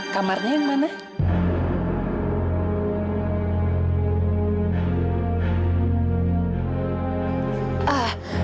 kamarnya yang mana